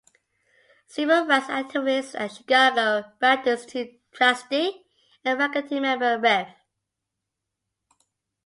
Civil rights activist and Chicago Baptist Institute trustee and faculty member Rev.